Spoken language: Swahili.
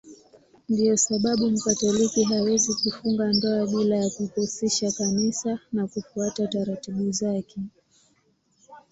Ndiyo sababu Mkatoliki hawezi kufunga ndoa bila ya kuhusisha Kanisa na kufuata taratibu zake.